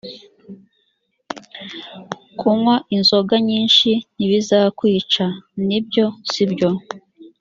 kunywa inzoga nyinshi ntibizakwica‽ ni byo si byo‽